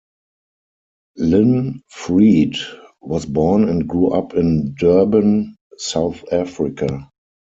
Lynn Freed was born and grew up in Durban, South Africa.